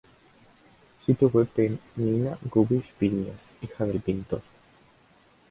Sitio web de Nina Gubisch-Viñes, hija del pintor.